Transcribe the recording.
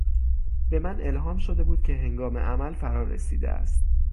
به من الهام شده بود که هنگام عمل فرارسیده است.